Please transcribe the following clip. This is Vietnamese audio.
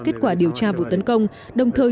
kết quả điều tra vụ tấn công đồng thời